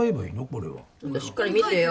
これはしっかり見てよ